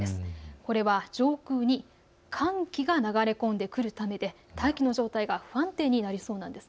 これは上空に寒気が流れ込んでくるためで大気の状態が不安定になりそうなんです。